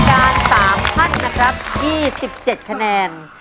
จากท่านคุณะจำการ๓๐๒๗คะแนน